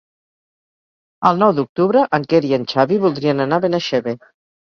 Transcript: El nou d'octubre en Quer i en Xavi voldrien anar a Benaixeve.